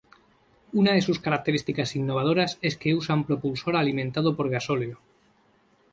Una de sus características innovadoras es que usa un propulsor alimentado por gasóleo.